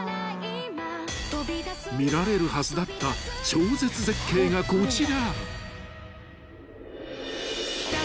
［見られるはずだった超絶絶景がこちら］